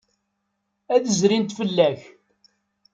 Ad d-zrint fell-ak.